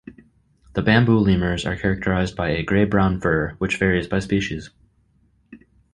The bamboo lemurs are characterized by a grey-brown fur, which varies by species.